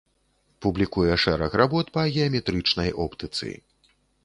Публікуе шэраг работ па геаметрычнай оптыцы.